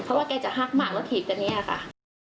พ่อว่าเก้จะหักหมารถถีบตอนนี้ค่ะ